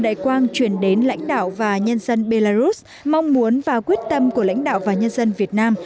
đại quang chuyển đến lãnh đạo và nhân dân belarus mong muốn và quyết tâm của lãnh đạo và nhân dân việt nam